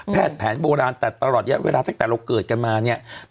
แผนโบราณแต่ตลอดเวลาตั้งแต่เราเกิดกันมาเนี่ย